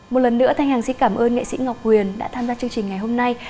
một lần nữa thanh hằng xin cảm ơn nghệ sĩ ngọc huyền đã tham gia chương trình ngày hôm nay